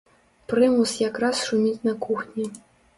Прымус якраз шуміць на кухні.